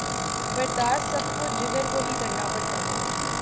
برداشت سب کچھ جگر کو ہی کرنا پڑتا۔